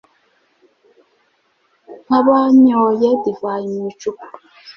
nk abanyoye divayi mu icupa